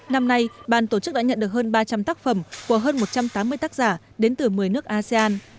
năm nay bàn tổ chức đã nhận được hơn ba trăm linh tác phẩm của hơn một trăm tám mươi tác giả đến từ một mươi nước asean